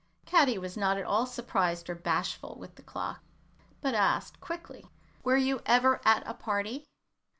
Caddy was not at all surprised or bashful with the clock, but asked, quickly, "Were you ever at a party?"